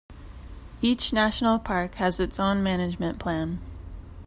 Each National Park has its own management plan.